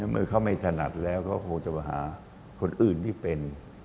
เมื่อเขาไม่ถนัดแล้วเขาคงจะมาหาคนอื่นที่เป็น